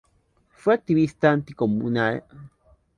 Fue activista anticomunista en la antigua Alemania Oriental.